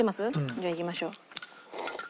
じゃあいきましょう。